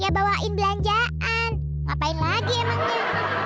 bawain belanjaan ngapain lagi emangnya